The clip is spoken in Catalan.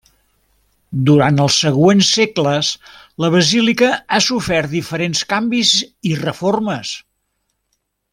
Durant els següents segles la basílica ha sofert diferents canvis i reformes.